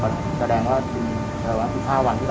๑๕วันหมายถึงว่าจังหวัดไหนบ้างไหมคะ